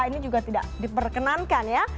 ini juga tidak diperkenankan ya